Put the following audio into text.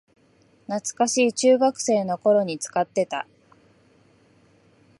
懐かしい、中学生の頃に使ってた